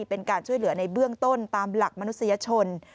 เป็นการช่วยเหลือในเบื้องต้นตามหลักมนุษยชน